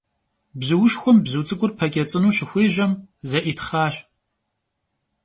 Bzuuşşxuem bzu ts'ık'ur peç'ets'ınu şıxuêjem — ze'ıtxhaş.